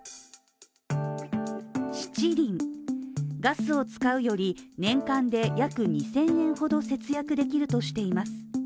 ガスを使うより、年間で約２０００円ほど節約できるとしています。